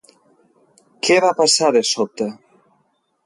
Què va passar de sobte?